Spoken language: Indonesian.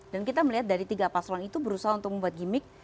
dan kita melihat dari tiga pasangan itu berusaha untuk membuat gimmick